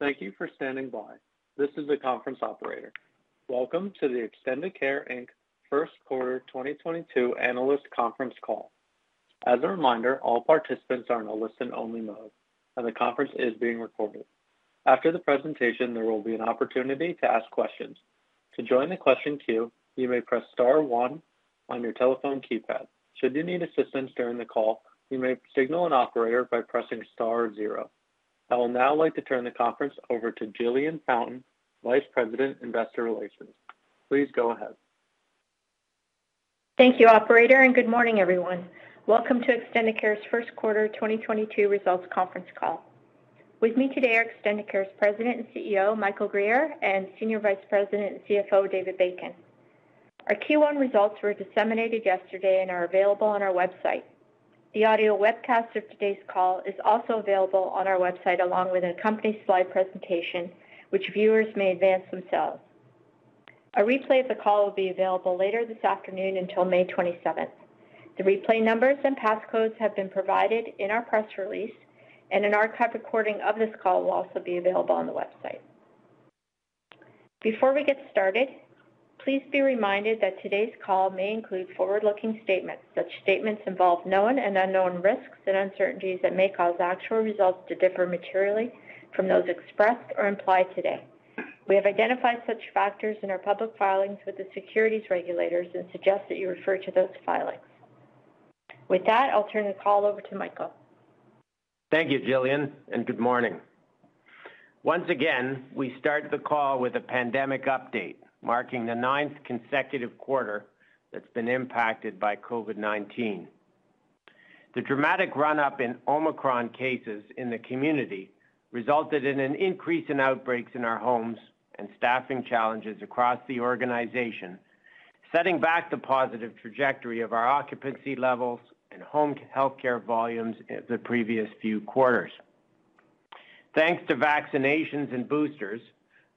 Thank you for standing by. This is the conference operator. Welcome to the Extendicare Inc. First Quarter 2022 analyst conference call. As a reminder, all participants are in a listen only mode and the conference is being recorded. After the presentation, there will be an opportunity to ask questions. To join the question queue, you may press star one on your telephone keypad. Should you need assistance during the call, you may signal an operator by pressing star zero. I will now turn the conference over to Jillian Fountain, Vice President, Investor Relations. Please go ahead. Thank you operator and good morning everyone. Welcome to Extendicare's first quarter 2022 results conference call. With me today are Extendicare's President and CEO, Michael Guerriere, and Senior Vice President and CFO, David Bacon. Our Q1 results were disseminated yesterday and are available on our website. The audio webcast of today's call is also available on our website, along with a company slide presentation which viewers may advance themselves. A replay of the call will be available later this afternoon until May 27th. The replay numbers and passcodes have been provided in our press release, and an archive recording of this call will also be available on the website. Before we get started, please be reminded that today's call may include forward-looking statements. Such statements involve known and unknown risks and uncertainties that may cause actual results to differ materially from those expressed or implied today. We have identified such factors in our public filings with the securities regulators and suggest that you refer to those filings. With that, I'll turn the call over to Michael. Thank you, Jillian, and good morning. Once again, we start the call with a pandemic update, marking the ninth consecutive quarter that's been impacted by COVID-19. The dramatic run up in Omicron cases in the community resulted in an increase in outbreaks in our homes and staffing challenges across the organization, setting back the positive trajectory of our occupancy levels and home healthcare volumes in the previous few quarters. Thanks to vaccinations and boosters,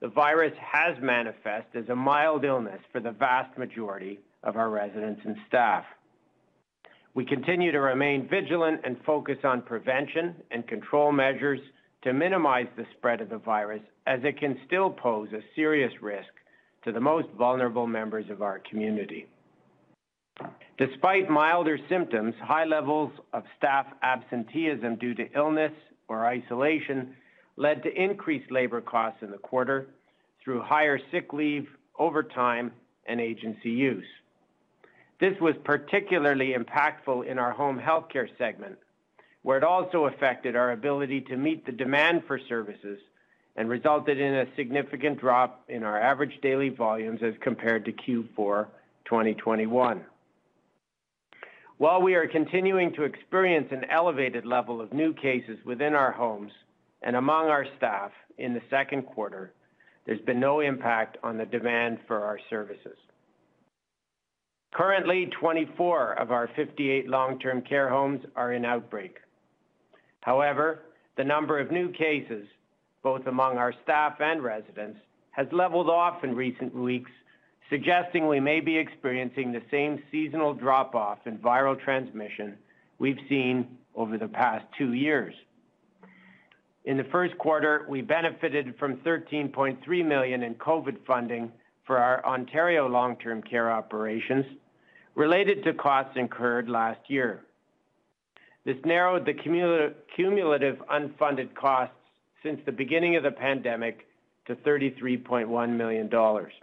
the virus has manifest as a mild illness for the vast majority of our residents and staff. We continue to remain vigilant and focused on prevention and control measures to minimize the spread of the virus as it can still pose a serious risk to the most vulnerable members of our community. Despite milder symptoms, high levels of staff absenteeism due to illness or isolation led to increased labor costs in the quarter through higher sick leave, overtime, and agency use. This was particularly impactful in our home healthcare segment, where it also affected our ability to meet the demand for services and resulted in a significant drop in our average daily volumes as compared to Q4 2021. While we are continuing to experience an elevated level of new cases within our homes and among our staff in the second quarter, there's been no impact on the demand for our services. Currently, 24 of our 58 long-term care homes are in outbreak. However, the number of new cases, both among our staff and residents, has leveled off in recent weeks, suggesting we may be experiencing the same seasonal drop-off in viral transmission we've seen over the past two years. In the first quarter, we benefited from 13.3 million in COVID funding for our Ontario long-term care operations related to costs incurred last year. This narrowed the cumulative unfunded costs since the beginning of the pandemic to 33.1 million dollars.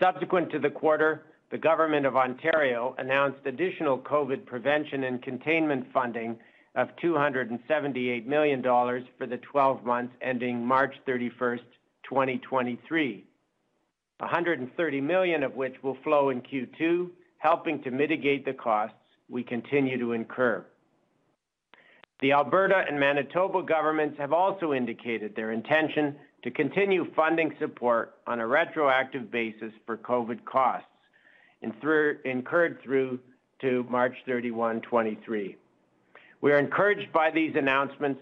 Subsequent to the quarter, the Government of Ontario announced additional COVID prevention and containment funding of 278 million dollars for the 12 months ending March 31, 2023. 130 million of which will flow in Q2, helping to mitigate the costs we continue to incur. The Alberta and Manitoba governments have also indicated their intention to continue funding support on a retroactive basis for COVID costs incurred through to March 31, 2023. We are encouraged by these announcements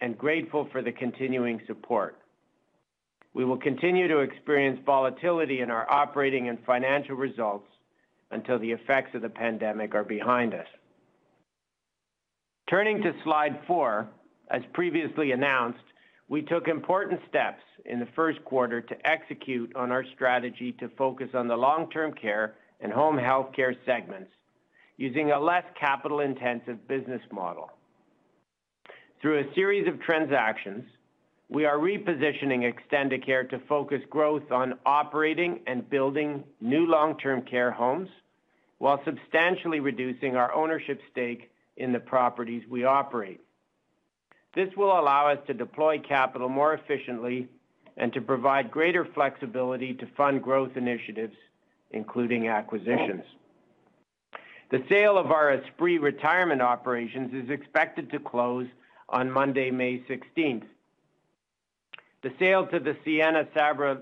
and grateful for the continuing support. We will continue to experience volatility in our operating and financial results until the effects of the pandemic are behind us. Turning to slide four, as previously announced, we took important steps in the first quarter to execute on our strategy to focus on the long-term care and home healthcare segments using a less capital-intensive business model. Through a series of transactions, we are repositioning Extendicare to focus growth on operating and building new long-term care homes while substantially reducing our ownership stake in the properties we operate. This will allow us to deploy capital more efficiently and to provide greater flexibility to fund growth initiatives, including acquisitions. The sale of our Esprit Retirement operations is expected to close on Monday, May sixteenth. The sale to the Sienna/Sabra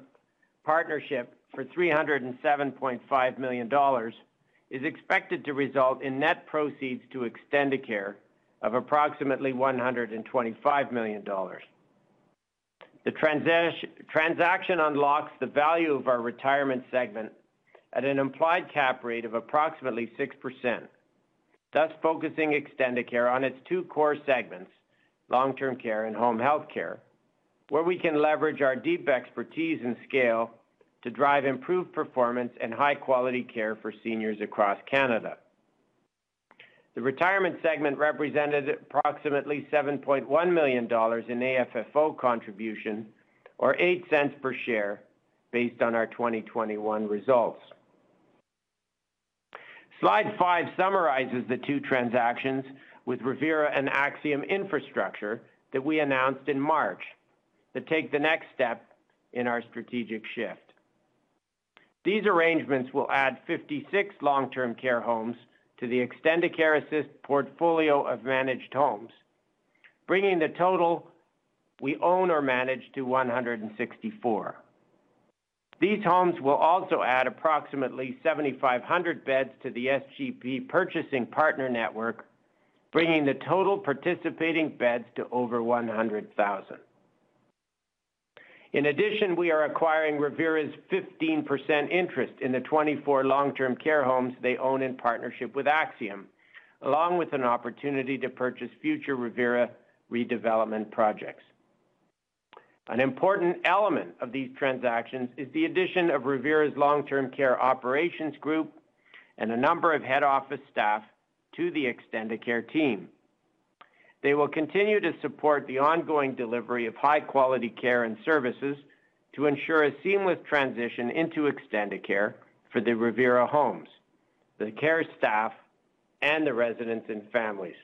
partnership for 307.5 million dollars is expected to result in net proceeds to Extendicare of approximately 125 million dollars. The transaction unlocks the value of our retirement segment at an implied cap rate of approximately 6%. Thus focusing Extendicare on its two core segments, long-term care and home health care, where we can leverage our deep expertise and scale to drive improved performance and high-quality care for seniors across Canada. The retirement segment represented approximately 7.1 million dollars in AFFO contribution or 0.08 per share based on our 2021 results. Slide five summarizes the two transactions with Revera and Axium Infrastructure that we announced in March that take the next step in our strategic shift. These arrangements will add 56 long-term care homes to the Extendicare Assist portfolio of managed homes, bringing the total we own or manage to 164. These homes will also add approximately 7,500 beds to the SGP Purchasing Partner Network, bringing the total participating beds to over 100,000. In addition, we are acquiring Revera's 15% interest in the 24 long-term care homes they own in partnership with Axium, along with an opportunity to purchase future Revera redevelopment projects. An important element of these transactions is the addition of Revera's long-term care operations group and a number of head office staff to the Extendicare team. They will continue to support the ongoing delivery of high-quality care and services to ensure a seamless transition into Extendicare for the Revera homes, the care staff and the residents and families.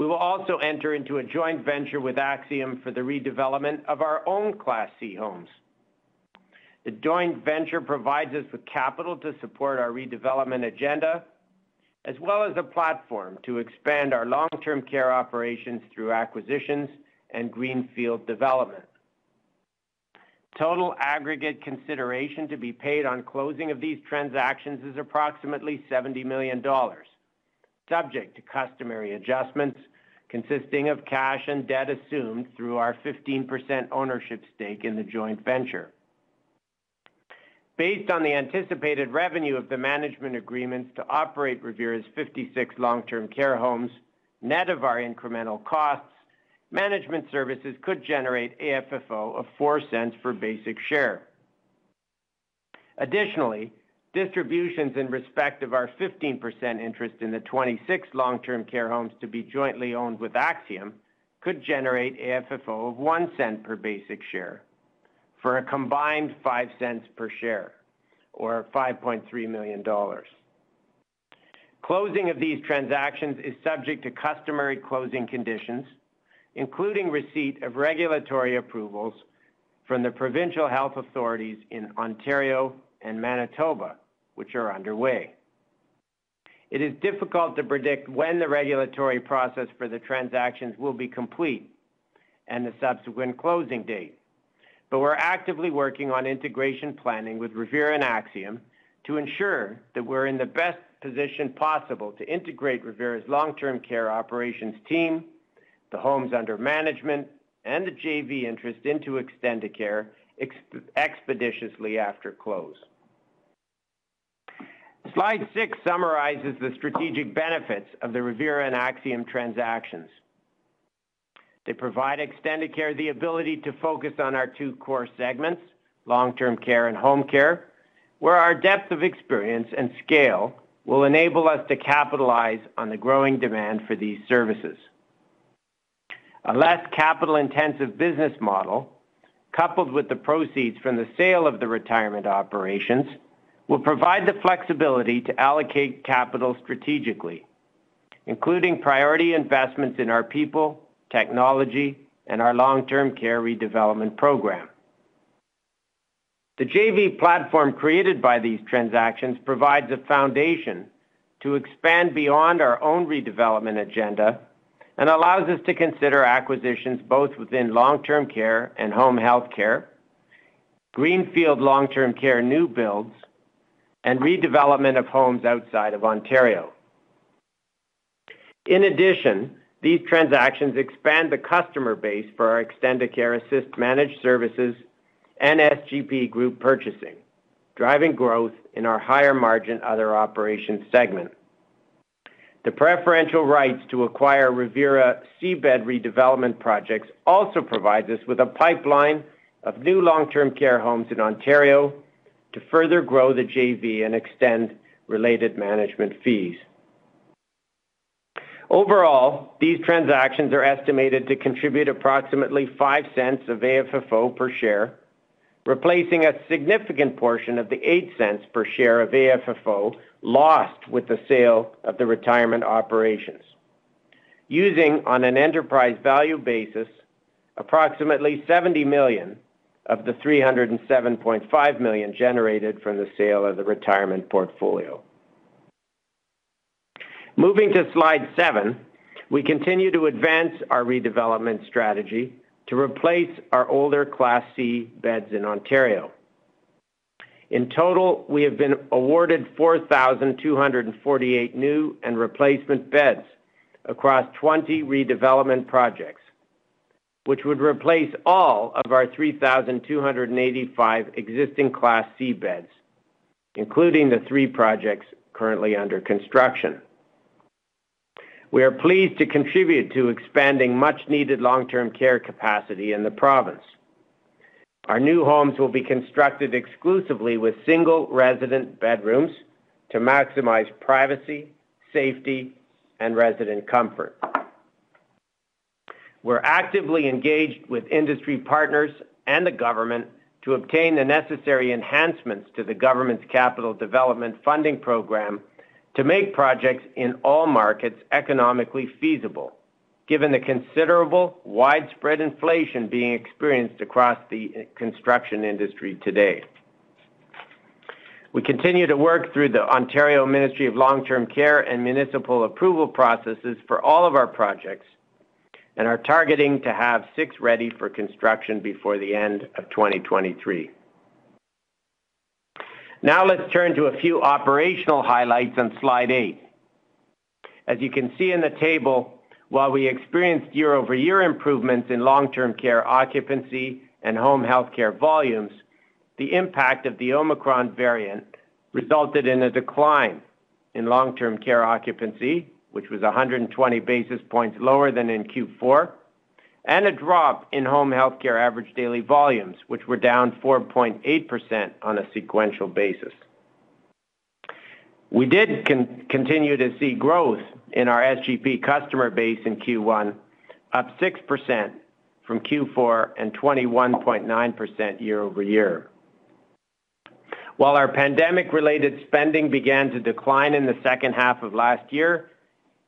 We will also enter into a joint venture with Axium for the redevelopment of our own Class C homes. The joint venture provides us with capital to support our redevelopment agenda, as well as a platform to expand our long-term care operations through acquisitions and greenfield development. Total aggregate consideration to be paid on closing of these transactions is approximately 70 million dollars, subject to customary adjustments consisting of cash and debt assumed through our 15% ownership stake in the joint venture. Based on the anticipated revenue of the management agreements to operate Revera's 56 long-term care homes, net of our incremental costs, management services could generate AFFO of 0.04 for basic share. Distributions in respect of our 15% interest in the 26 long-term care homes to be jointly owned with Axium could generate AFFO of $0.01 per basic share for a combined $0.05 per share or 5.3 million dollars. Closing of these transactions is subject to customary closing conditions, including receipt of regulatory approvals from the provincial health authorities in Ontario and Manitoba, which are underway. It is difficult to predict when the regulatory process for the transactions will be complete and the subsequent closing date. We're actively working on integration planning with Revera and Axium to ensure that we're in the best position possible to integrate Revera's long-term care operations team, the homes under management, and the JV interest into Extendicare expeditiously after close. Slide 6 summarizes the strategic benefits of the Revera and Axium transactions. They provide Extendicare the ability to focus on our two core segments, long-term care and home care, where our depth of experience and scale will enable us to capitalize on the growing demand for these services. A less capital-intensive business model, coupled with the proceeds from the sale of the retirement operations, will provide the flexibility to allocate capital strategically, including priority investments in our people, technology, and our long-term care redevelopment program. The JV platform created by these transactions provides a foundation to expand beyond our own redevelopment agenda and allows us to consider acquisitions both within long-term care and home health care, greenfield long-term care new builds, and redevelopment of homes outside of Ontario. In addition, these transactions expand the customer base for our Extendicare Assist managed services and SGP group purchasing, driving growth in our higher-margin other operations segment. The preferential rights to acquire Revera Class C-bed redevelopment projects also provides us with a pipeline of new long-term care homes in Ontario to further grow the JV and extend related management fees. Overall, these transactions are estimated to contribute approximately 0.05 of AFFO per share, replacing a significant portion of the 0.08 per share of AFFO lost with the sale of the retirement operations. Using on an enterprise value basis, approximately 70 million of the 307.5 million generated from the sale of the retirement portfolio. Moving to slide seven, we continue to advance our redevelopment strategy to replace our older Class C beds in Ontario. In total, we have been awarded 4,248 new and replacement beds across 20 redevelopment projects, which would replace all of our 3,285 existing Class C beds, including the three projects currently under construction. We are pleased to contribute to expanding much needed long-term care capacity in the province. Our new homes will be constructed exclusively with single resident bedrooms to maximize privacy, safety, and resident comfort. We're actively engaged with industry partners and the government to obtain the necessary enhancements to the government's capital development funding program to make projects in all markets economically feasible, given the considerable widespread inflation being experienced across the construction industry today. We continue to work through the Ontario Ministry of Long-Term Care and municipal approval processes for all of our projects and are targeting to have six ready for construction before the end of 2023. Now, let's turn to a few operational highlights on slide eight. As you can see in the table, while we experienced year-over-year improvements in long-term care occupancy and home health care volumes, the impact of the Omicron variant resulted in a decline in long-term care occupancy, which was 120 basis points lower than in Q4, and a drop in home health care average daily volumes, which were down 4.8% on a sequential basis. We did continue to see growth in our SGP customer base in Q1, up 6% from Q4 and 21.9% year-over-year. While our pandemic-related spending began to decline in the second half of last year,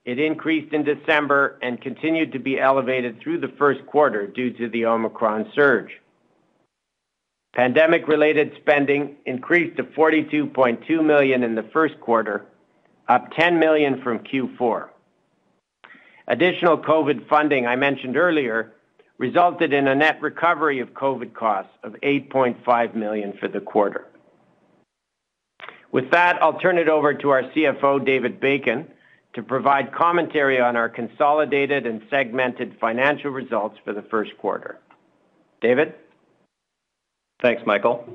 it increased in December and continued to be elevated through the first quarter due to the Omicron surge. Pandemic-related spending increased to 42.2 million in the first quarter, up 10 million from Q4. Additional COVID funding I mentioned earlier resulted in a net recovery of COVID costs of 8.5 million for the quarter. With that, I'll turn it over to our CFO, David Bacon, to provide commentary on our consolidated and segmented financial results for the first quarter. David? Thanks, Michael.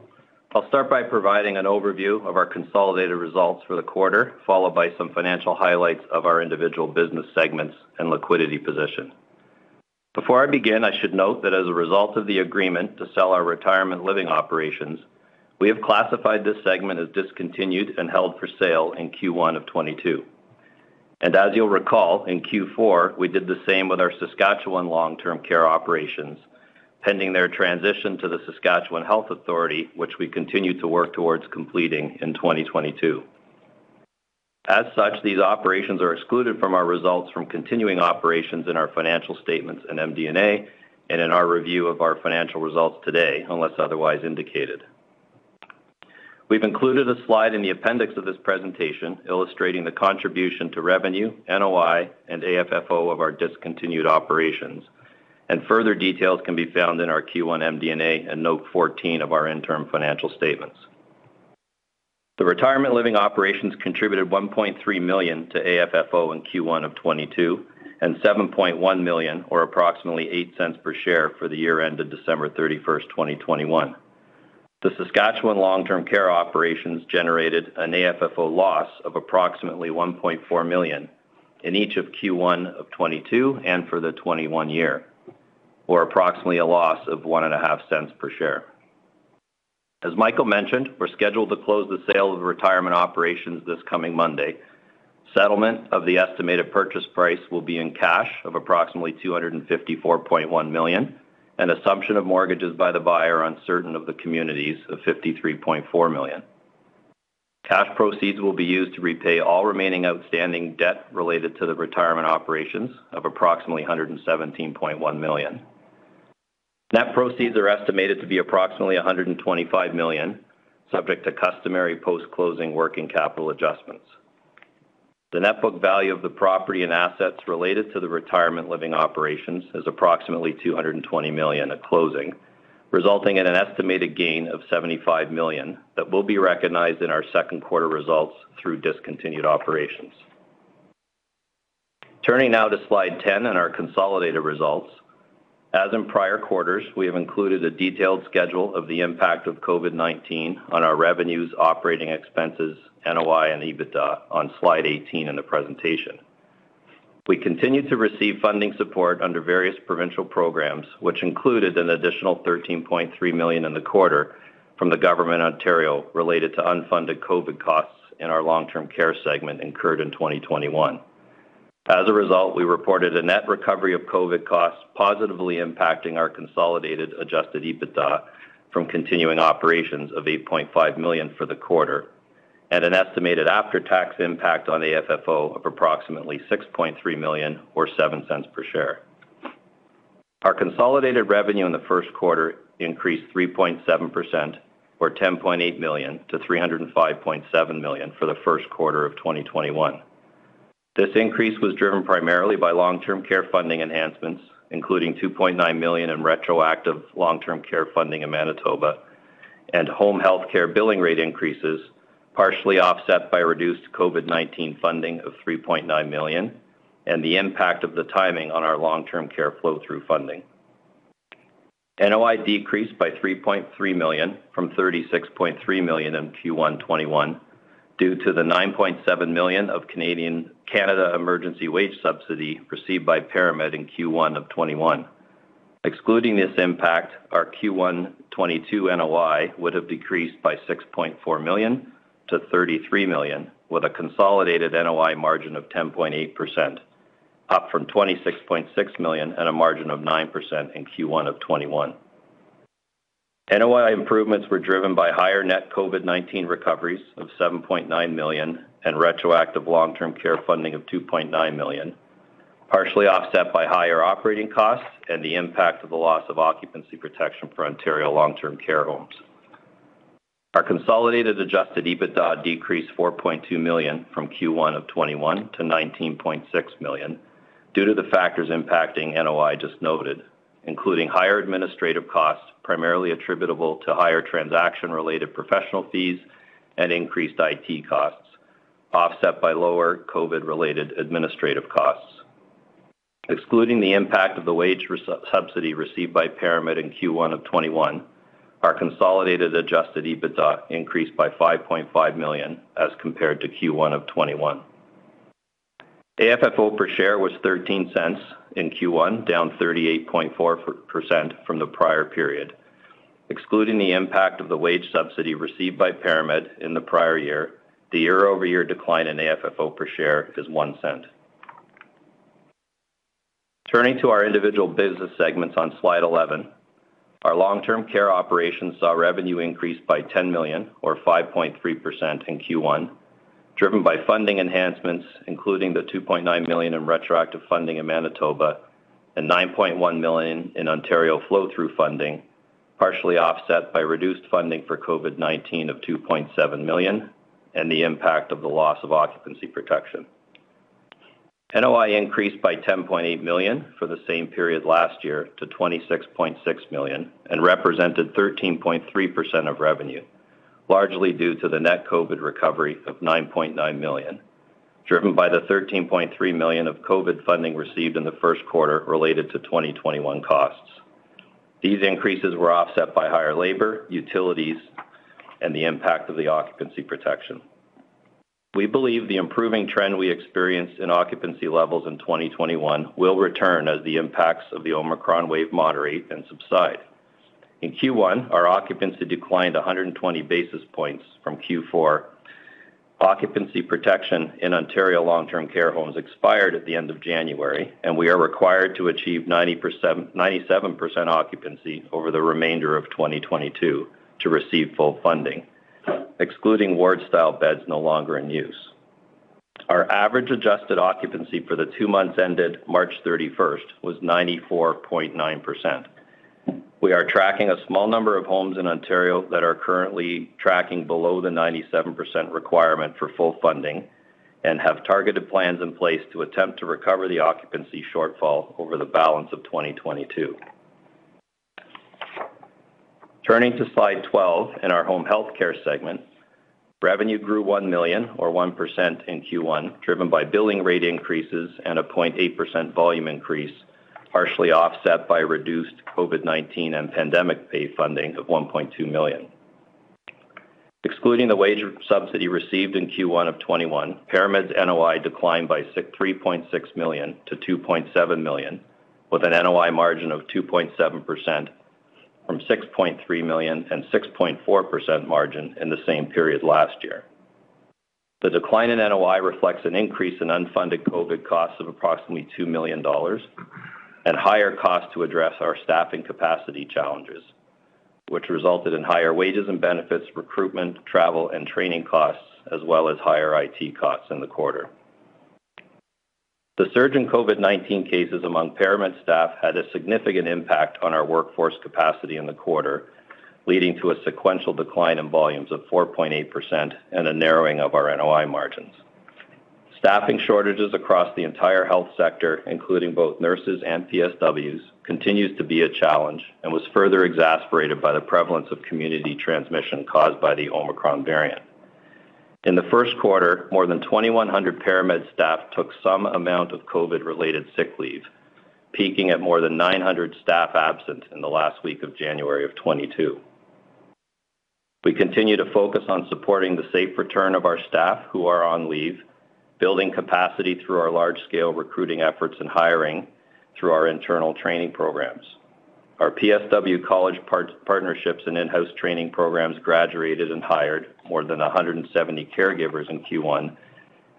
I'll start by providing an overview of our consolidated results for the quarter, followed by some financial highlights of our individual business segments and liquidity position. Before I begin, I should note that as a result of the agreement to sell our retirement living operations, we have classified this segment as discontinued and held for sale in Q1 of 2022. As you'll recall, in Q4, we did the same with our Saskatchewan long-term care operations, pending their transition to the Saskatchewan Health Authority, which we continue to work towards completing in 2022. As such, these operations are excluded from our results from continuing operations in our financial statements and MD&A and in our review of our financial results today, unless otherwise indicated. We've included a slide in the appendix of this presentation illustrating the contribution to revenue, NOI, and AFFO of our discontinued operations, and further details can be found in our Q1 MD&A and Note 14 of our interim financial statements. The retirement living operations contributed 1.3 million to AFFO in Q1 of 2022 and 7.1 million or approximately 0.08 per share for the year-end of December 31, 2021. The Saskatchewan long-term care operations generated an AFFO loss of approximately 1.4 million in each of Q1 of 2022 and for the 2021 year, or approximately a loss of 0.015 per share. As Michael mentioned, we're scheduled to close the sale of the retirement operations this coming Monday. Settlement of the estimated purchase price will be in cash of approximately 254.1 million, and assumption of mortgages by the buyer on certain of the communities of 53.4 million. Cash proceeds will be used to repay all remaining outstanding debt related to the retirement operations of approximately 117.1 million. Net proceeds are estimated to be approximately 125 million, subject to customary post-closing working capital adjustments. The net book value of the property and assets related to the retirement living operations is approximately 220 million at closing, resulting in an estimated gain of 75 million that will be recognized in our second quarter results through discontinued operations. Turning now to slide ten on our consolidated results. As in prior quarters, we have included a detailed schedule of the impact of COVID-19 on our revenues, operating expenses, NOI and EBITDA on slide 18 in the presentation. We continued to receive funding support under various provincial programs, which included an additional 13.3 million in the quarter from the government of Ontario related to unfunded COVID costs in our long-term care segment incurred in 2021. As a result, we reported a net recovery of COVID costs positively impacting our consolidated adjusted EBITDA from continuing operations of 8.5 million for the quarter and an estimated after-tax impact on AFFO of approximately 6.3 million or 0.07 per share. Our consolidated revenue in the first quarter increased 3.7% or 10.8 million-305.7 million for the first quarter of 2021. This increase was driven primarily by long-term care funding enhancements, including 2.9 million in retroactive long-term care funding in Manitoba. Home healthcare billing rate increases, partially offset by reduced COVID-19 funding of 3.9 million and the impact of the timing on our long-term care flow through funding. NOI decreased by 3.3 million from 36.3 million in Q1 2021 due to the 9.7 million of Canada Emergency Wage Subsidy received by ParaMed in Q1 of 2021. Excluding this impact, our Q1 2022 NOI would have decreased by 6.4 million to 33 million, with a consolidated NOI margin of 10.8%, up from 26.6 million at a margin of 9% in Q1 of 2021. NOI improvements were driven by higher net COVID-19 recoveries of 7.9 million and retroactive long-term care funding of 2.9 million, partially offset by higher operating costs and the impact of the loss of occupancy protection for Ontario long-term care homes. Our consolidated adjusted EBITDA decreased 4.2 million from Q1 of 2021 to 19.6 million due to the factors impacting NOI just noted, including higher administrative costs, primarily attributable to higher transaction-related professional fees and increased IT costs, offset by lower COVID-related administrative costs. Excluding the impact of the wage subsidy received by ParaMed in Q1 of 2021, our consolidated adjusted EBITDA increased by 5.5 million as compared to Q1 of 2021. AFFO per share was 0.13 in Q1, down 38.4% from the prior period. Excluding the impact of the wage subsidy received by ParaMed in the prior year, the year-over-year decline in AFFO per share is 0.01. Turning to our individual business segments on slide 11. Our long-term care operations saw revenue increase by 10 million or 5.3% in Q1, driven by funding enhancements, including the 2.9 million in retroactive funding in Manitoba and 9.1 million in Ontario flow-through funding, partially offset by reduced funding for COVID-19 of 2.7 million and the impact of the loss of occupancy protection. NOI increased by 10.8 million for the same period last year to 26.6 million and represented 13.3% of revenue, largely due to the net COVID recovery of 9.9 million, driven by the 13.3 million of COVID funding received in the first quarter related to 2021 costs. These increases were offset by higher labor, utilities, and the impact of the occupancy protection. We believe the improving trend we experienced in occupancy levels in 2021 will return as the impacts of the Omicron wave moderate and subside. In Q1, our occupancy declined 120 basis points from Q4. Occupancy protection in Ontario long-term care homes expired at the end of January, and we are required to achieve 97% occupancy over the remainder of 2022 to receive full funding, excluding ward-style beds no longer in use. Our average adjusted occupancy for the two months ended March 31 was 94.9%. We are tracking a small number of homes in Ontario that are currently tracking below the 97% requirement for full funding and have targeted plans in place to attempt to recover the occupancy shortfall over the balance of 2022. Turning to slide 12 in our home healthcare segment. Revenue grew 1 million or 1% in Q1, driven by billing rate increases and a 0.8% volume increase, partially offset by reduced COVID-19 and pandemic pay funding of 1.2 million. Excluding the wage subsidy received in Q1 of 2021, ParaMed's NOI declined by 3.6 million to 2.7 million, with an NOI margin of 2.7% from 6.3 million and 6.4% margin in the same period last year. The decline in NOI reflects an increase in unfunded COVID-19 costs of approximately 2 million dollars and higher costs to address our staffing capacity challenges, which resulted in higher wages and benefits, recruitment, travel, and training costs, as well as higher IT costs in the quarter. The surge in COVID-19 cases among ParaMed staff had a significant impact on our workforce capacity in the quarter, leading to a sequential decline in volumes of 4.8% and a narrowing of our NOI margins. Staffing shortages across the entire health sector, including both nurses and PSWs, continues to be a challenge and was further exacerbated by the prevalence of community transmission caused by the Omicron variant. In the first quarter, more than 2,100 ParaMed staff took some amount of COVID-related sick leave, peaking at more than 900 staff absent in the last week of January of 2022. We continue to focus on supporting the safe return of our staff who are on leave, building capacity through our large-scale recruiting efforts and hiring through our internal training programs. Our PSW college partnerships and in-house training programs graduated and hired more than 170 caregivers in Q1,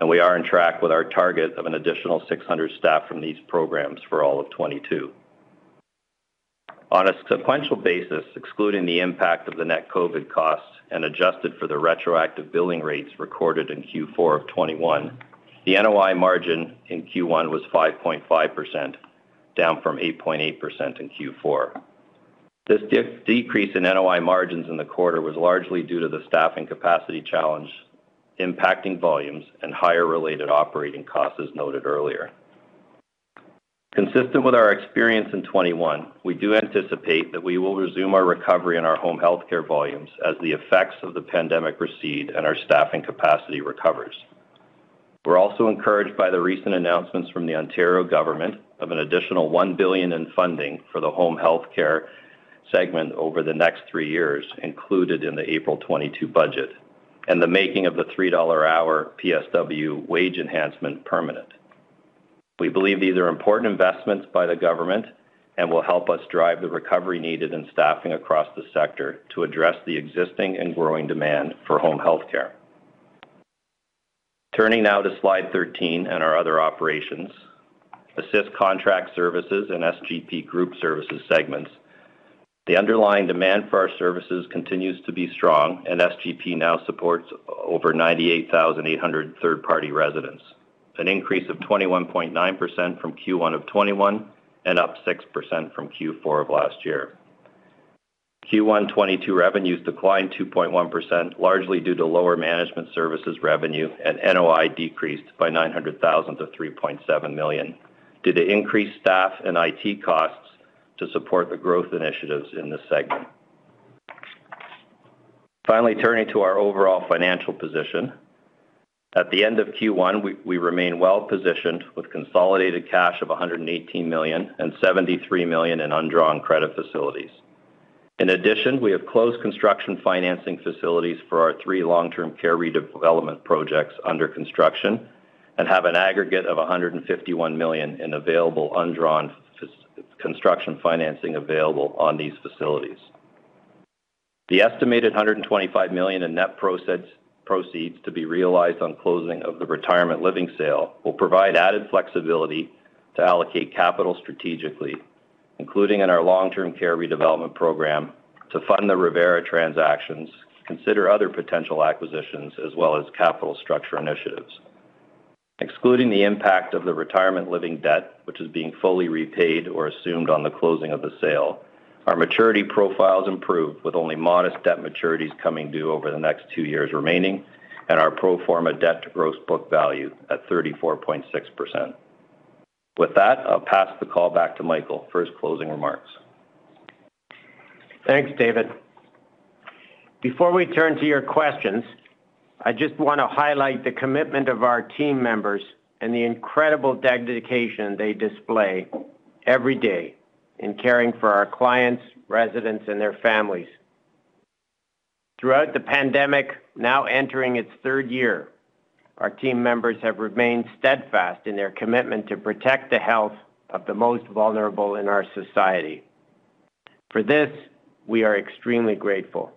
and we are on track with our target of an additional 600 staff from these programs for all of 2022. On a sequential basis, excluding the impact of the net COVID costs and adjusted for the retroactive billing rates recorded in Q4 of 2021, the NOI margin in Q1 was 5.5%, down from 8.8% in Q4. This decrease in NOI margins in the quarter was largely due to the staffing capacity challenge impacting volumes and higher related operating costs, as noted earlier. Consistent with our experience in 2021, we do anticipate that we will resume our recovery in our home health care volumes as the effects of the pandemic recede and our staffing capacity recovers. We're also encouraged by the recent announcements from the Ontario government of an additional 1 billion in funding for the home health care segment over the next three years, included in the April 2022 budget, and the making of the 3 dollar an hour PSW wage enhancement permanent. We believe these are important investments by the government and will help us drive the recovery needed in staffing across the sector to address the existing and growing demand for home health care. Turning now to slide 13 and our other operations, Extendicare Assist and SGP segments. The underlying demand for our services continues to be strong, and SGP now supports over 98,800 third-party residents, an increase of 21.9% from Q1 of 2021 and up 6% from Q4 of last year. Q1 2022 revenues declined 2.1%, largely due to lower management services revenue, and NOI decreased by 900,000 to 3.7 million due to increased staff and IT costs to support the growth initiatives in this segment. Finally, turning to our overall financial position. At the end of Q1, we remain well-positioned with consolidated cash of 118 million and 73 million in undrawn credit facilities. In addition, we have closed construction financing facilities for our three long-term care redevelopment projects under construction and have an aggregate of 151 million in available undrawn construction financing available on these facilities. The estimated 125 million in net proceeds to be realized on closing of the retirement living sale will provide added flexibility to allocate capital strategically, including in our long-term care redevelopment program to fund the Revera transactions, consider other potential acquisitions, as well as capital structure initiatives. Excluding the impact of the retirement living debt, which is being fully repaid or assumed on the closing of the sale, our maturity profile's improved with only modest debt maturities coming due over the next two years remaining and our pro forma debt to gross book value at 34.6%. With that, I'll pass the call back to Michael for his closing remarks. Thanks, David. Before we turn to your questions, I just wanna highlight the commitment of our team members and the incredible dedication they display every day in caring for our clients, residents, and their families. Throughout the pandemic, now entering its third year, our team members have remained steadfast in their commitment to protect the health of the most vulnerable in our society. For this, we are extremely grateful.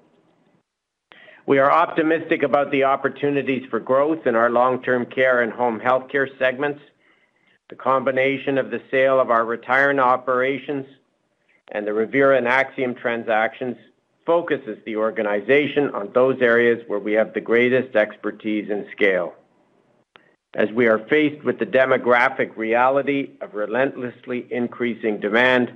We are optimistic about the opportunities for growth in our long-term care and home health care segments. The combination of the sale of our retirement operations and the Revera and Axium transactions focuses the organization on those areas where we have the greatest expertise and scale. As we are faced with the demographic reality of relentlessly increasing demand,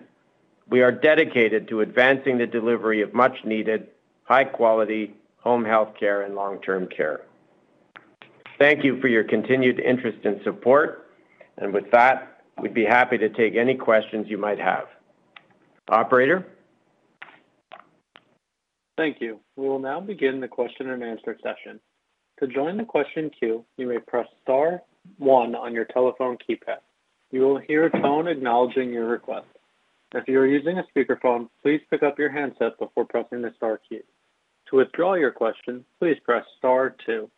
we are dedicated to advancing the delivery of much-needed, high-quality home health care and long-term care. Thank you for your continued interest and support. With that, we'd be happy to take any questions you might have. Operator? Thank you. We will now begin the question and answer session. To join the question queue, you may press star one on your telephone keypad. You will hear a tone acknowledging your request. If you are using a speakerphone, please pick up your handset before pressing the star key. To withdraw your question, please press star two.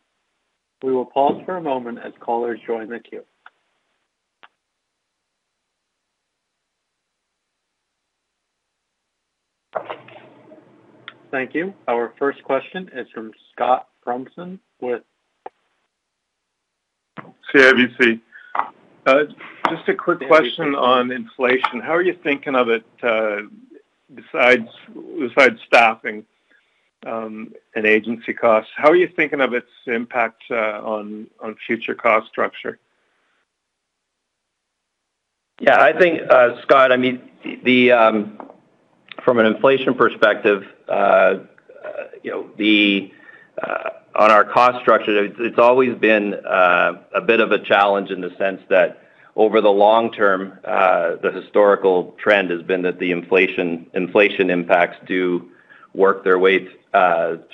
We will pause for a moment as callers join the queue. Thank you. Our first question is from Scott Thompson with CIBC. Just a quick question on inflation. How are you thinking of it, besides staffing, and agency costs? How are you thinking of its impact, on future cost structure? Yeah, I think, Scott, I mean, from an inflation perspective, you know, on our cost structure, it's always been a bit of a challenge in the sense that over the long term, the historical trend has been that the inflation impacts do work their way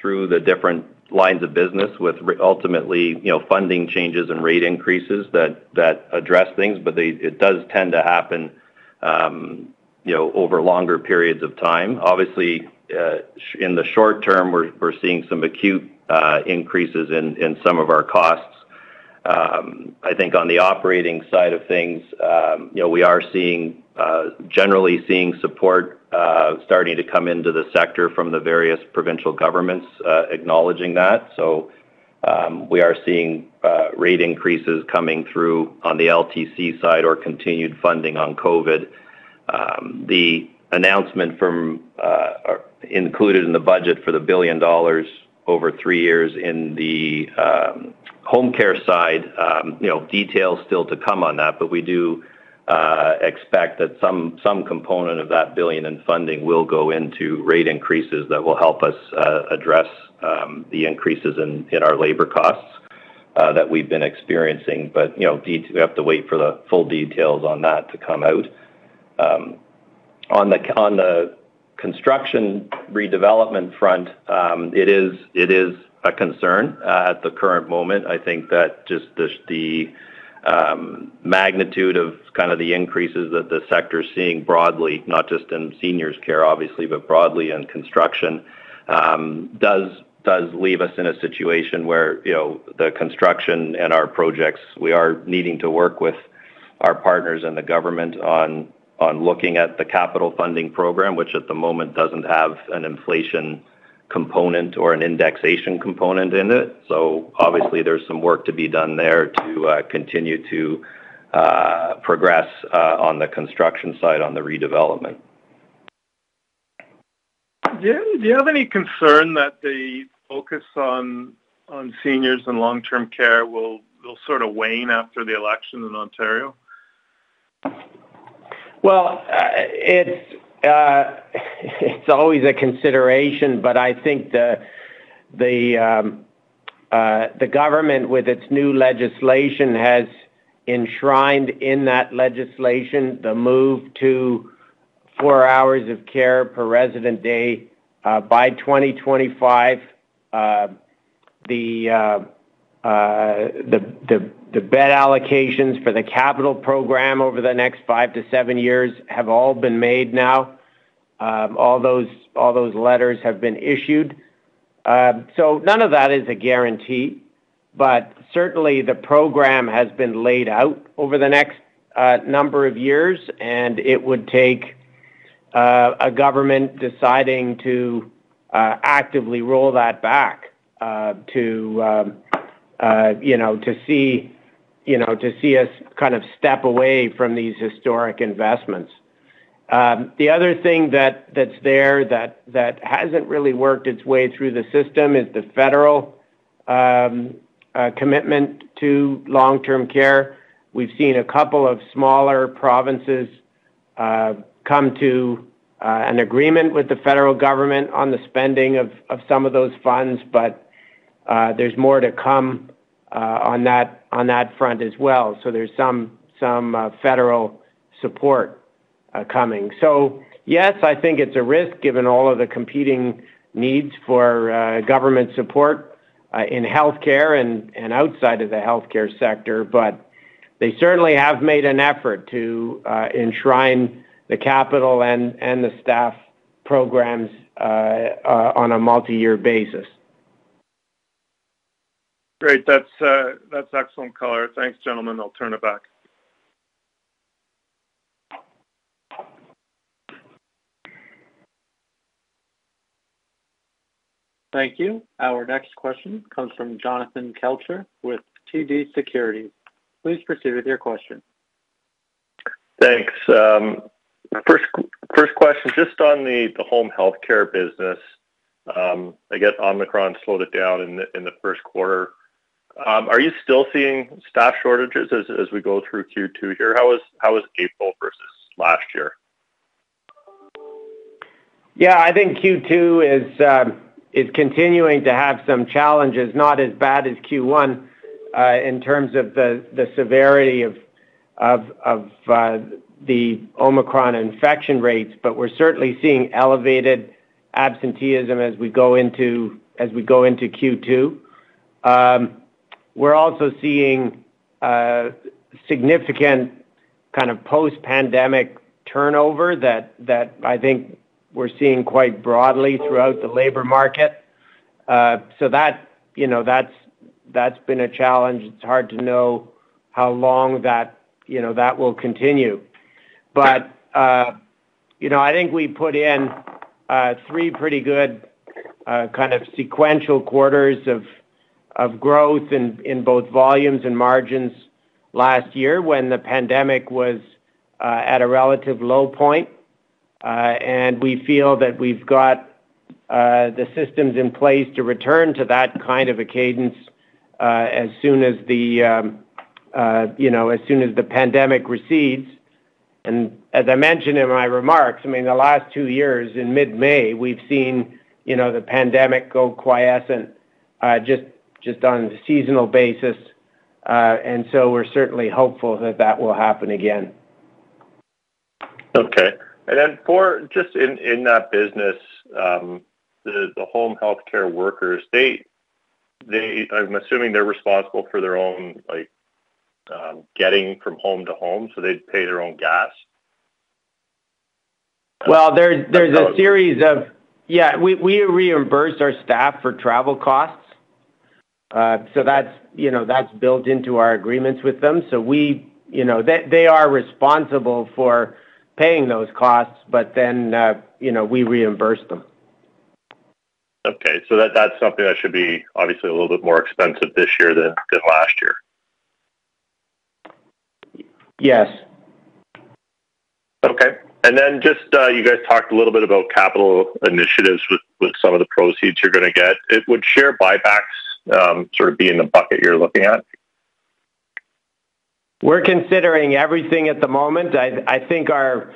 through the different lines of business, ultimately, you know, funding changes and rate increases that address things. It does tend to happen, you know, over longer periods of time. Obviously, in the short term, we're seeing some acute increases in some of our costs. I think on the operating side of things, you know, we are generally seeing support starting to come into the sector from the various provincial governments, acknowledging that. We are seeing rate increases coming through on the LTC side or continued funding on COVID. The announcement included in the budget for 1 billion dollars over three years in the home care side, you know, details still to come on that. We do expect that some component of that 1 billion in funding will go into rate increases that will help us address the increases in our labor costs. That we've been experiencing. We have to wait for the full details on that to come out. On the construction redevelopment front, it is a concern. At the current moment, I think that just the magnitude of kind of the increases that the sector is seeing broadly, not just in seniors care obviously, but broadly in construction, does leave us in a situation where, you know, the construction and our projects, we are needing to work with our partners and the government on looking at the capital funding program, which at the moment doesn't have an inflation component or an indexation component in it. Obviously, there's some work to be done there to continue to progress on the construction side, on the redevelopment. Do you have any concern that the focus on seniors and long-term care will sort of wane after the election in Ontario? Well, it's always a consideration, but I think the government with its new legislation has enshrined in that legislation the move to four hours of care per resident day by 2025. The bed allocations for the capital program over the next five to seven years have all been made now. All those letters have been issued. None of that is a guarantee, but certainly the program has been laid out over the next number of years, and it would take a government deciding to actively roll that back to you know to see us kind of step away from these historic investments. The other thing that hasn't really worked its way through the system is the federal commitment to long-term care. We've seen a couple of smaller provinces come to an agreement with the federal government on the spending of some of those funds, but there's more to come on that front as well. There's some federal support coming. Yes, I think it's a risk given all of the competing needs for government support in healthcare and outside of the healthcare sector. They certainly have made an effort to enshrine the capital and the staff programs on a multi-year basis. Great. That's excellent color. Thanks, gentlemen. I'll turn it back. Thank you. Our next question comes from Jonathan Kelcher with TD Securities. Please proceed with your question. Thanks. First question, just on the home healthcare business. I guess Omicron slowed it down in the first quarter. Are you still seeing staff shortages as we go through Q2 here? How was April versus last year? Yeah. I think Q2 is continuing to have some challenges, not as bad as Q1, in terms of the severity of the Omicron infection rates. We're certainly seeing elevated absenteeism as we go into Q2. We're also seeing significant kind of post-pandemic turnover that I think we're seeing quite broadly throughout the labor market. That, you know, that's been a challenge. It's hard to know how long that, you know, will continue. You know, I think we put in three pretty good kind of sequential quarters of growth in both volumes and margins last year when the pandemic was at a relative low point. We feel that we've got the systems in place to return to that kind of a cadence as soon as you know as soon as the pandemic recedes. As I mentioned in my remarks, I mean, the last two years in mid-May, we've seen, you know, the pandemic go quiescent, just on a seasonal basis. We're certainly hopeful that that will happen again. Okay. For just in that business, the home healthcare workers, I'm assuming they're responsible for their own, like, getting from home to home, so they pay their own gas. Well, there's a series of. Yeah. We reimburse our staff for travel costs. That's, you know, that's built into our agreements with them. They are responsible for paying those costs, but then, you know, we reimburse them. Okay. That's something that should be obviously a little bit more expensive this year than last year. Yes. Okay. Just, you guys talked a little bit about capital initiatives with some of the proceeds you're gonna get. Would share buybacks, sort of be in the bucket you're looking at? We're considering everything at the moment. I think our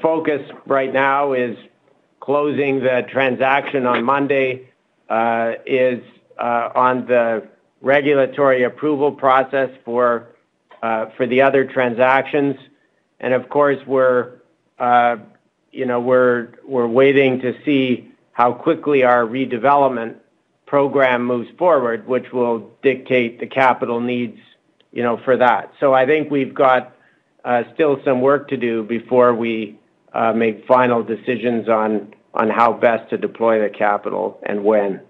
focus right now is closing the transaction on Monday, on the regulatory approval process for the other transactions. Of course, we're you know waiting to see how quickly our redevelopment program moves forward, which will dictate the capital needs, you know, for that. I think we've got still some work to do before we make final decisions on how best to deploy the capital and when.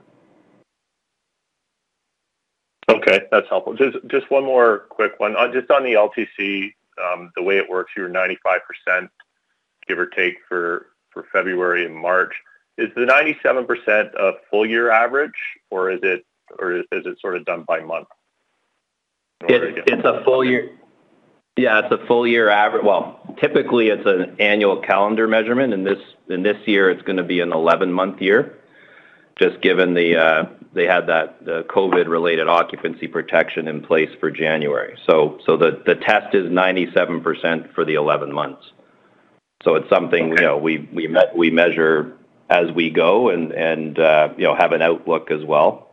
Okay. That's helpful. Just one more quick one. Just on the LTC, the way it works, you're 95%, give or take, for February and March. Is the 97% a full year average, or is it sort of done by month? It's a full year. Yeah, it's a full year. Well, typically, it's an annual calendar measurement, and this year it's gonna be an 11-month year, just given they had that, the COVID-related occupancy protection in place for January. The test is 97% for the 11 months. It's something. Okay. You know, we measure as we go and, you know, have an outlook as well.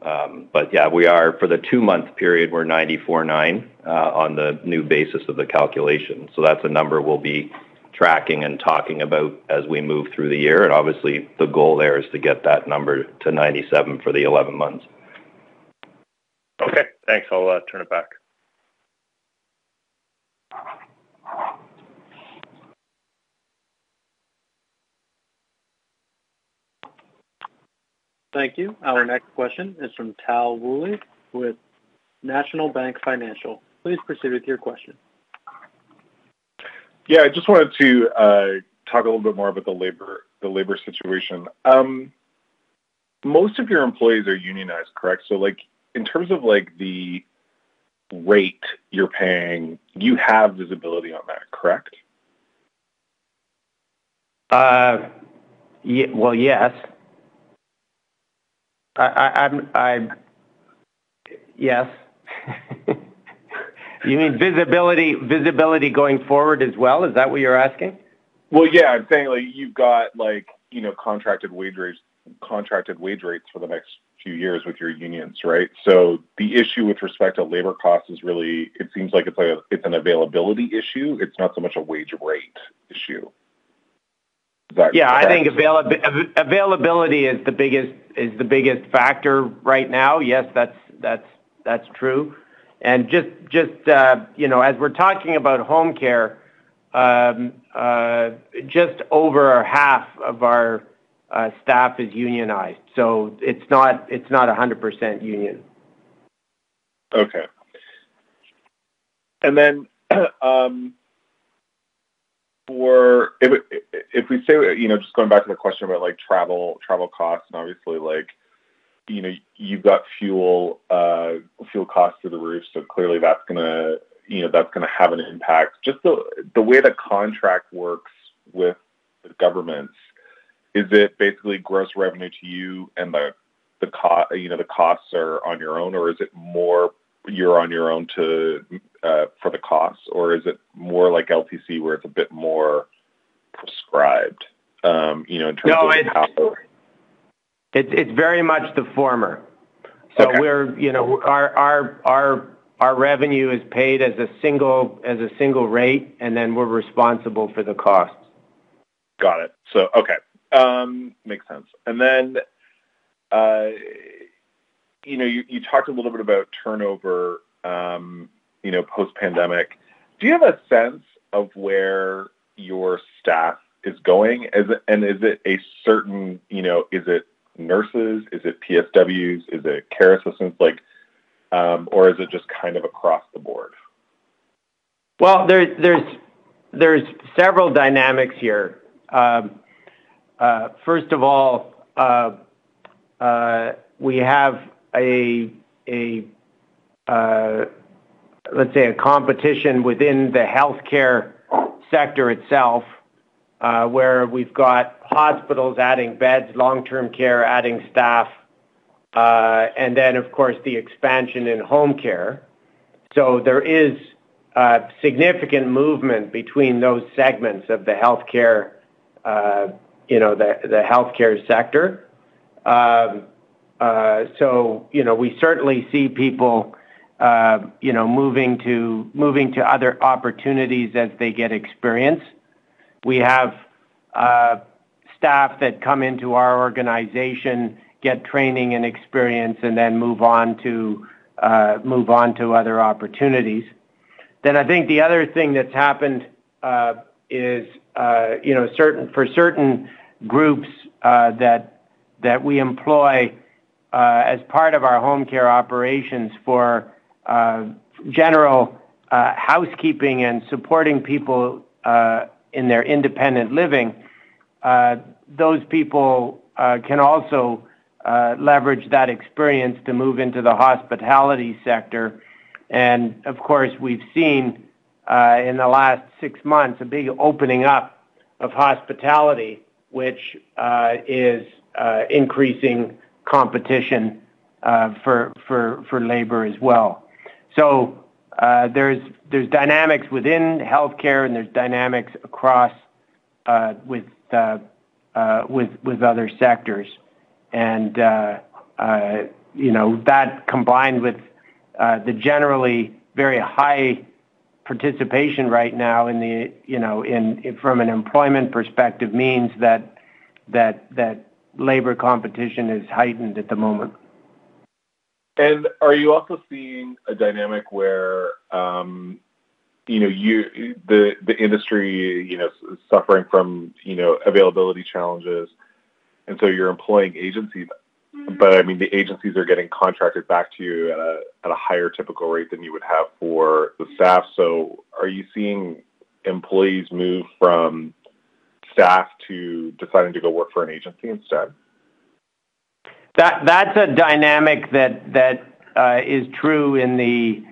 Yeah, we are for the two-month period, we're 94.9% on the new basis of the calculation. So that's a number we'll be tracking and talking about as we move through the year. Obviously, the goal there is to get that number to 97% for the 11 months. Okay. Thanks. I'll turn it back. Thank you. Our next question is from Tal Woolley with National Bank Financial. Please proceed with your question. Yeah. I just wanted to talk a little bit more about the labor situation. Most of your employees are unionized, correct? Like, in terms of, like, the rate you're paying, you have visibility on that, correct? Well, yes. Yes. You mean visibility going forward as well? Is that what you're asking? Well, yeah. I'm saying, like, you've got, like, you know, contracted wage rates for the next few years with your unions, right? The issue with respect to labor costs is really, it seems like it's an availability issue. It's not so much a wage rate issue. Is that? Yeah. I think availability is the biggest factor right now. Yes. That's true. Just, you know, as we're talking about home care, just over half of our staff is unionized, so it's not 100% union. If we say, you know, just going back to the question about, like, travel costs and obviously, like, you know, you've got fuel costs through the roof, so clearly that's gonna, you know, that's gonna have an impact. Just the way the contract works with the governments, is it basically gross revenue to you and the costs are on your own? Or is it more you're on your own for the costs? Or is it more like LTC, where it's a bit more prescribed, you know, in terms of how. No. It's very much the former. Okay. You know, our revenue is paid as a single rate, and then we're responsible for the costs. Got it. Okay. Makes sense. You know, you talked a little bit about turnover, you know, post-pandemic. Do you have a sense of where your staff is going? Is it a certain, you know, is it nurses? Is it PSWs? Is it care assistants? Like, or is it just kind of across the board? Well, there are several dynamics here. First of all, we have, let's say, a competition within the healthcare sector itself, where we've got hospitals adding beds, long-term care adding staff, and then, of course, the expansion in home care. There is significant movement between those segments of the healthcare, you know, the healthcare sector. You know, we certainly see people, you know, moving to other opportunities as they get experience. We have staff that come into our organization, get training and experience, and then move on to other opportunities. I think the other thing that's happened is, you know, for certain groups that we employ as part of our home care operations for general housekeeping and supporting people in their independent living, those people can also leverage that experience to move into the hospitality sector. Of course, we've seen in the last six months a big opening up of hospitality, which is increasing competition for labor as well. There's dynamics within healthcare, and there's dynamics across with other sectors. You know, that combined with the generally very high participation right now in the, you know, from an employment perspective means that labor competition is heightened at the moment. Are you also seeing a dynamic where, you know, the industry, you know, is suffering from, you know, availability challenges, and so you're employing agencies? I mean, the agencies are getting contracted back to you at a higher typical rate than you would have for the staff. Are you seeing employees move from staff to deciding to go work for an agency instead? That's a dynamic that is true in the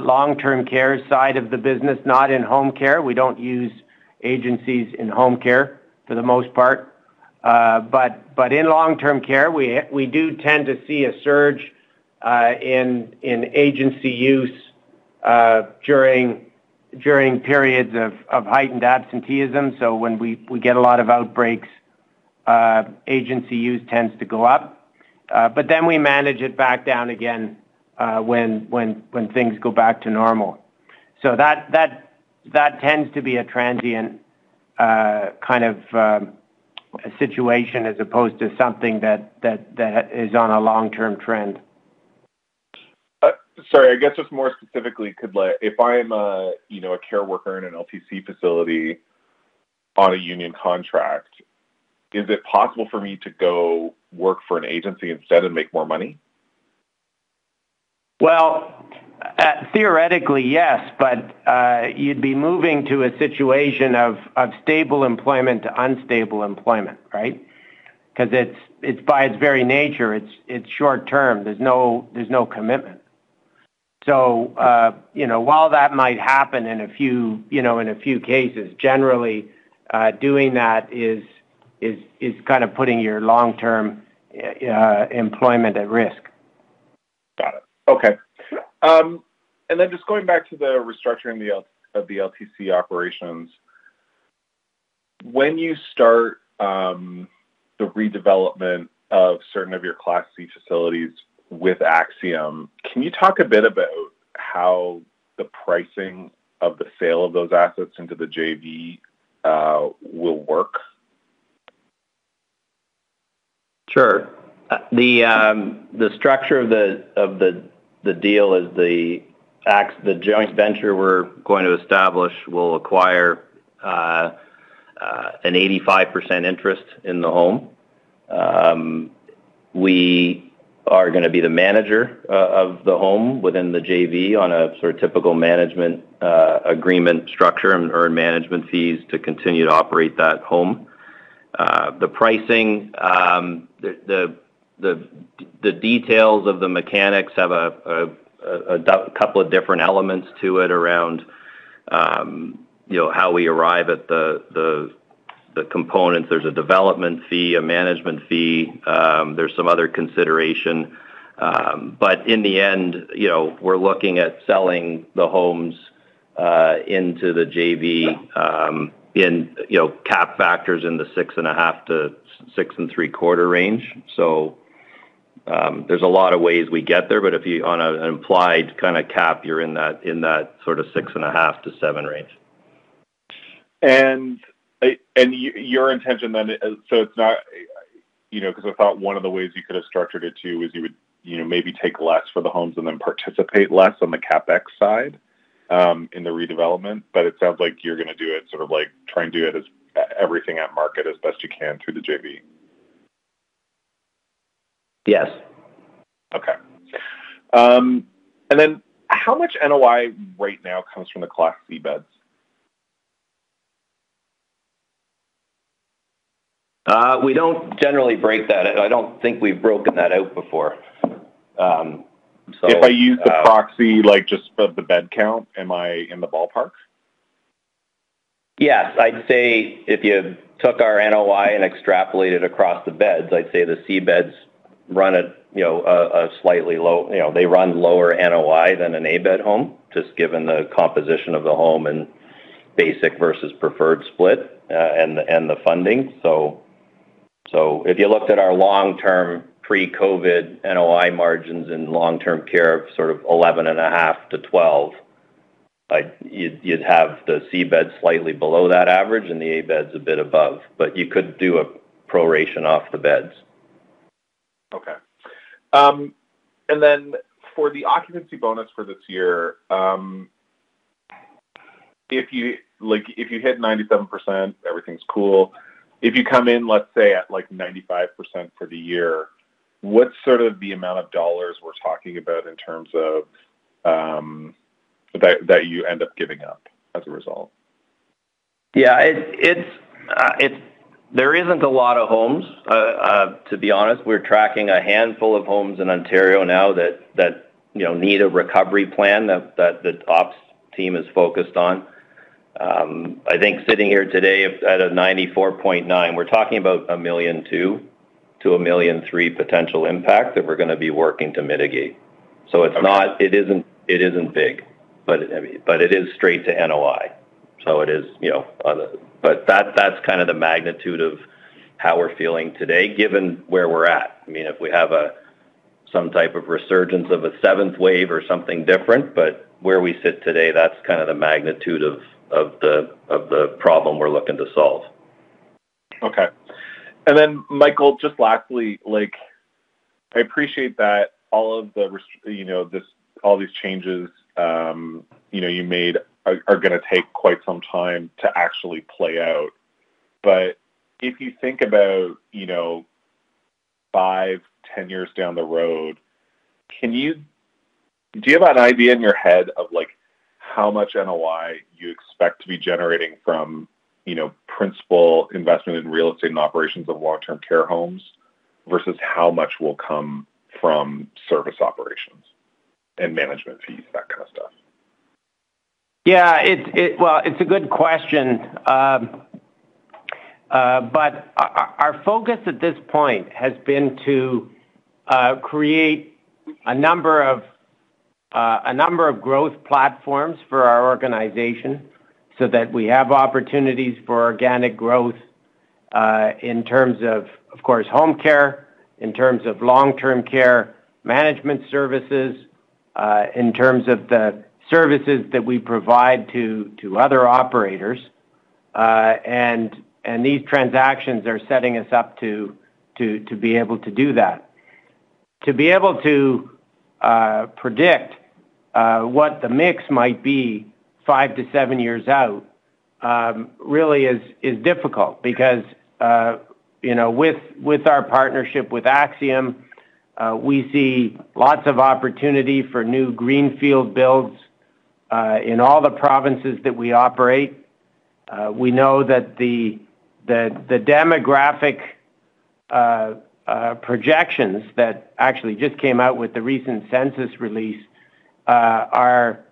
long-term care side of the business, not in home care. We don't use agencies in home care for the most part. In long-term care, we do tend to see a surge in agency use during periods of heightened absenteeism. When we get a lot of outbreaks, agency use tends to go up. We manage it back down again when things go back to normal. That tends to be a transient kind of situation as opposed to something that is on a long-term trend. Sorry, I guess just more specifically, if I'm a, you know, a care worker in an LTC facility on a union contract, is it possible for me to go work for an agency instead and make more money? Well, theoretically, yes. You'd be moving to a situation of stable employment to unstable employment, right? 'Cause it's by its very nature, it's short term. There's no commitment. You know, while that might happen in a few, you know, in a few cases, generally, doing that is kind of putting your long-term employment at risk. Got it. Okay. Just going back to the restructuring of the LTC operations. When you start the redevelopment of certain of your Class C facilities with Axium, can you talk a bit about how the pricing of the sale of those assets into the JV will work? Sure. The structure of the deal is the joint venture we're going to establish will acquire an 85% interest in the home. We are gonna be the manager of the home within the JV on a sort of typical management agreement structure and earn management fees to continue to operate that home. The pricing, the details of the mechanics have a couple of different elements to it around you know how we arrive at the components. There's a development fee, a management fee, there's some other consideration. In the end, you know, we're looking at selling the homes into the JV in you know cap rates in the 6.5%-6.75% range. There's a lot of ways we get there, but on an implied kinda cap, you're in that sorta six and a half to seven range. You know, 'cause I thought one of the ways you could have structured it too is you would, you know, maybe take less for the homes and then participate less on the CapEx side, in the redevelopment. But it sounds like you're gonna do it sort of like try and do it as everything at market as best you can through the JV. Yes. Okay. How much NOI right now comes from the Class C beds? We don't generally break that. I don't think we've broken that out before. If I use the proxy, like, just of the bed count, am I in the ballpark? Yes. I'd say if you took our NOI and extrapolated across the beds, I'd say the C beds run at, you know, they run lower NOI than an A bed home, just given the composition of the home and basic versus preferred split, and the funding. So if you looked at our long-term pre-COVID NOI margins in long-term care of sort of 11.5%-12%, you'd have the C beds slightly below that average and the A beds a bit above. But you could do a proration off the beds. Okay. For the occupancy bonus for this year, if you hit 97%, everything's cool. If you come in, let's say, at, like, 95% for the year, what's sort of the amount of dollars we're talking about in terms of that you end up giving up as a result? Yeah. It's there isn't a lot of homes, to be honest. We're tracking a handful of homes in Ontario now that you know need a recovery plan that the ops team is focused on. I think sitting here today at 94.9%, we're talking about 1.2 million-1.3 million potential impact that we're gonna be working to mitigate. It isn't big, but I mean, it is straight to NOI, so it is, you know. But that's kind of the magnitude of how we're feeling today given where we're at. I mean, if we have some type of resurgence of a seventh wave or something different, but where we sit today, that's kind of the magnitude of the problem we're looking to solve. Okay. Michael, just lastly, like I appreciate that all these changes, you know, you made are gonna take quite some time to actually play out. If you think about, you know, five, 10 years down the road, do you have an idea in your head of like how much NOI you expect to be generating from, you know, principal investment in real estate and operations of long-term care homes versus how much will come from service operations and management fees, that kind of stuff? Yeah. Well, it's a good question. Our focus at this point has been to create a number of growth platforms for our organization so that we have opportunities for organic growth in terms of course, home care, in terms of long-term care management services, in terms of the services that we provide to other operators. These transactions are setting us up to be able to do that. To be able to predict what the mix might be five to seven years out really is difficult because you know, with our partnership with Axium, we see lots of opportunity for new greenfield builds in all the provinces that we operate. We know that the demographic projections that actually just came out with the recent census release are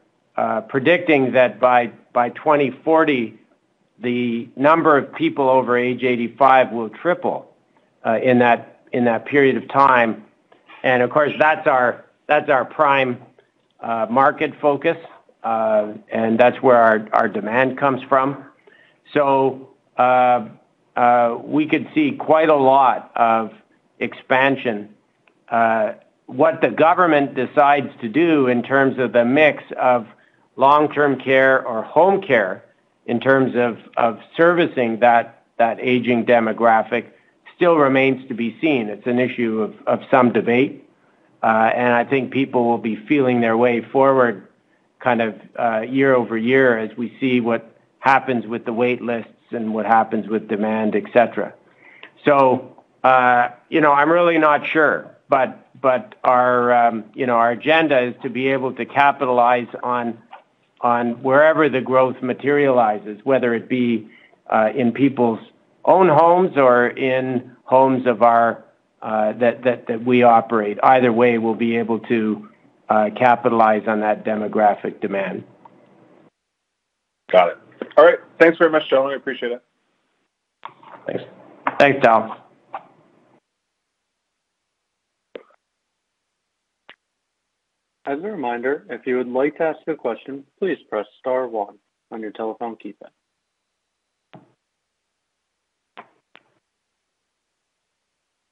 predicting that by 2040, the number of people over age 85 will triple in that period of time. Of course, that's our prime market focus, and that's where our demand comes from. We could see quite a lot of expansion. What the government decides to do in terms of the mix of long-term care or home care in terms of servicing that aging demographic still remains to be seen. It's an issue of some debate. I think people will be feeling their way forward kind of year-over-year as we see what happens with the wait lists and what happens with demand, et cetera. You know, I'm really not sure. You know, our agenda is to be able to capitalize on wherever the growth materializes, whether it be in people's own homes or in homes that we operate. Either way, we'll be able to capitalize on that demographic demand. Got it. All right. Thanks very much, gentlemen. I appreciate it. Thanks. Thanks, Tom. As a reminder, if you would like to ask a question, please press star one on your telephone keypad.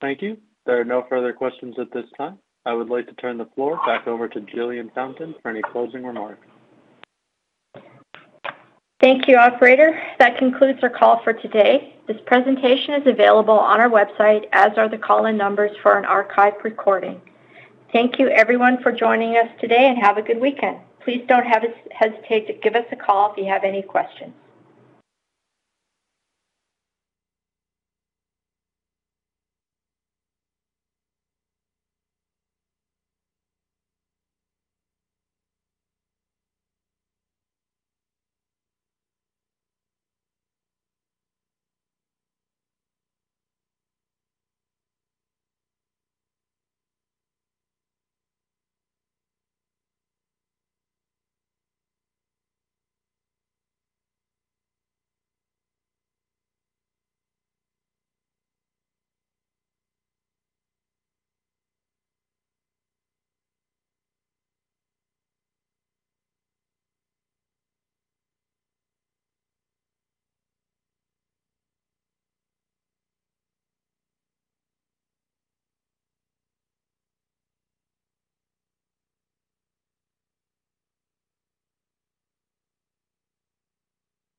Thank you. There are no further questions at this time. I would like to turn the floor back over to Jillian Fountain for any closing remarks. Thank you, operator. That concludes our call for today. This presentation is available on our website, as are the call-in numbers for an archive recording. Thank you everyone for joining us today, and have a good weekend. Please don't hesitate to give us a call if you have any questions.